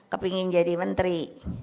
kepingin jadi menteri